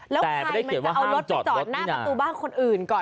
แล้วใครมันจะเอารถไปจอดหน้าประตูบ้านคนอื่นก่อน